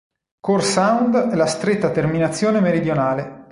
Core Sound è la stretta terminazione meridionale.